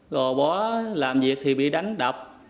rồi bó làm việc thì bị đánh đập